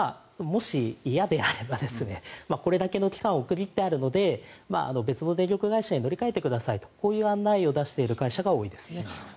もし、嫌であればこれだけの期間を区切ってあるので別の電力会社へ乗り換えてくださいとこういう案内を出している会社が多いです。